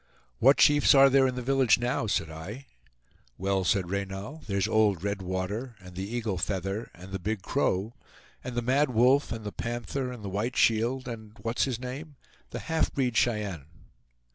"What chiefs are there in the village now?" said I. "Well," said Reynal, "there's old Red Water, and the Eagle Feather, and the Big Crow, and the Mad Wolf and the Panther, and the White Shield, and what's his name? the half breed Cheyenne."